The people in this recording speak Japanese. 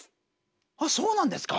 あっそうなんですか。